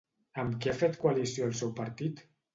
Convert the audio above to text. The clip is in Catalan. Amb qui ha fet coalició el seu partit?